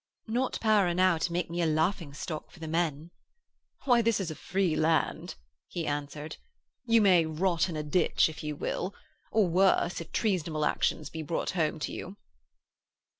'Not power enow to make me a laughing stock for the men.' 'Why, this is a free land,' he answered. 'You may rot in a ditch if you will, or worse if treasonable actions be brought home to you.'